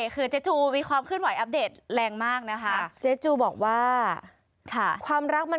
คือเจ๊จูมีความคลึ้นหวัดอัพเดทแรงมากนะคะ